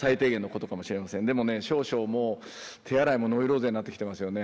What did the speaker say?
でもね少々もう手洗いもノイローゼになってきてますよね。